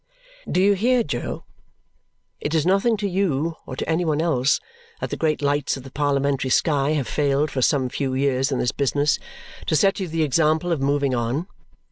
Do you hear, Jo? It is nothing to you or to any one else that the great lights of the parliamentary sky have failed for some few years in this business to set you the example of moving on.